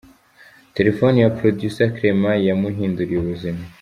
Telefoni ya Producer Clement yamuhinduriye ubuzima.